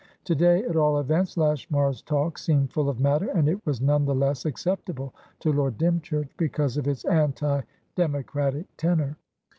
To day, at all events, Lashmar's talk seemed full of matter, and it was none the less acceptable to Lord Dymchurch because of its anti democratic tenor.